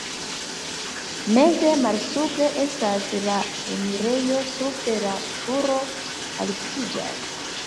Meze malsupre estas la enirejo, supre la turo altiĝas.